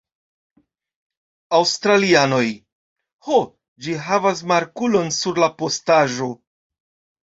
Australianoj. Ho, ĝi havas markulon sur la postaĵo.